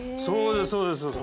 そうですそうです。